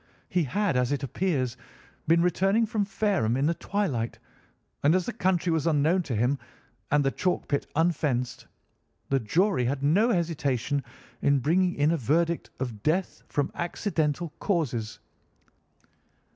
He had, as it appears, been returning from Fareham in the twilight, and as the country was unknown to him, and the chalk pit unfenced, the jury had no hesitation in bringing in a verdict of 'death from accidental causes.